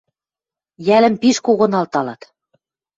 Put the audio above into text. Йӓлӹм пиш когон алталат.